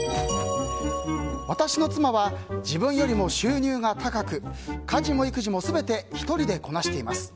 私の妻は自分よりも収入が高く家事も育児も全て１人でこなしています。